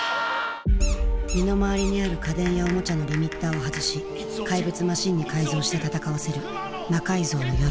身の回りにある家電やおもちゃのリミッターを外し怪物マシンに改造して戦わせる「魔改造の夜」。